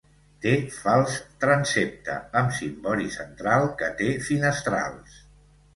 Té fals transsepte amb cimbori central que té finestrals.